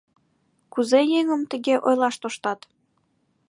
Кузе еҥым тыге ойлаш тоштат?